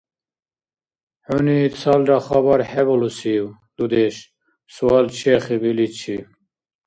– ХӀуни цалра хабар хӀебалусив, дудеш? – суал чехиб иличи.